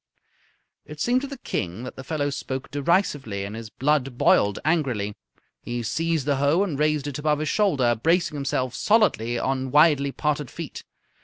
It seemed to the King that the fellow spoke derisively, and his blood boiled angrily. He seized the hoe and raised it above his shoulder, bracing himself solidly on widely parted feet.